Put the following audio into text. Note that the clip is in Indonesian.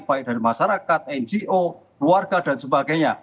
baik dari masyarakat ngo keluarga dan sebagainya